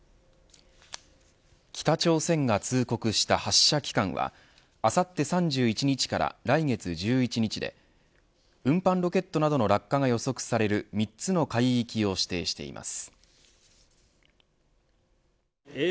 北朝鮮が通告した発射期間はあさって３１日から来月１１日で運搬ロケットなどの落下が予測される３つの海域を指定しています。